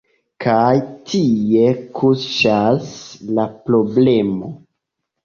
Kaj tie kuŝas la problemo.